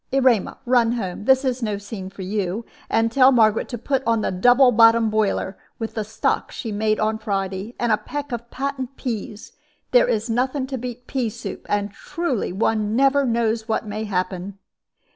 Erema, run home. This is no scene for you. And tell Margaret to put on the double bottomed boiler, with the stock she made on Friday, and a peck of patent pease. There is nothing to beat pea soup; and truly one never knows what may happen."